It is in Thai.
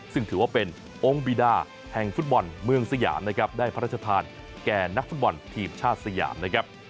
ซึ่งถือว่าเป็นองค์บีดาแห่งฟุตบอลเมืองสยามนะครับได้พระราชทานแก่นักฟุตบอลทีมชาติสยามนะครับ